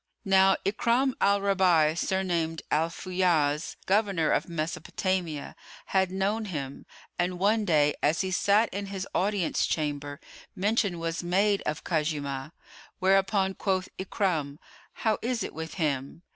Now Ikrimah al Raba'í, surnamed Al Fayyáz, governor of Mesopotamia,[FN#101] had known him, and one day, as he sat in his Audience chamber, mention was made of Khuzaymah, whereupon quoth Ikrimah, "How is it with him?"